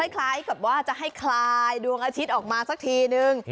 คล้ายกับว่าจะให้คลายดวงอาทิตย์ออกมาสักทีนึง